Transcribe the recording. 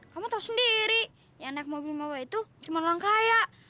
kamu tahu sendiri yang naik mobil mewah itu cuma orang kaya